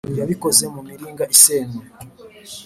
yabikoze mu miringa isenwe